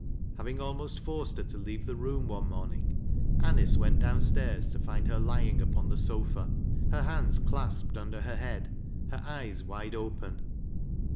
Having almost forced her to leave the room one morning, Anice went down staii s to find her lying upon the sofa, — her hands clasped under her head, her eyes wide open.